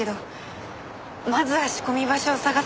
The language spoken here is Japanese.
まずは仕込み場所を探さないと。